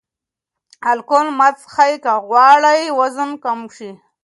الکول مه څښئ که غواړئ وزن کم شي.